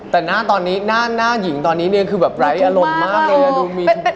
แต่หน้าตอนนี้หน้าหญิงตอนนี้เนี่ยคือแบบไร้อารมณ์มากเลยดูมี